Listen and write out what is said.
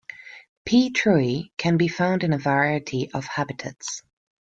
"P. truei" can be found in a variety of habitats.